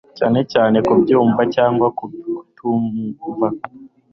cyane cyane kubyumva, cyangwa kutumva